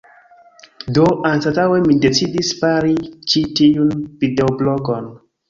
Do, anstataŭe mi decidis fari ĉi tiun videoblogon